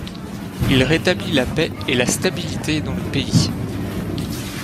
Il rétablit la paix et la stabilité dans le pays.